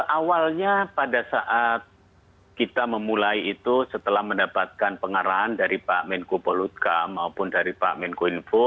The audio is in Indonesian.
awalnya pada saat kita memulai itu setelah mendapatkan pengarahan dari pak menko polutka maupun dari pak menko info